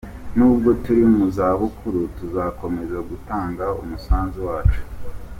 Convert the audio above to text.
Nubwo turi mu zabukuru tuzakomeza gutanga umusanzu wacu.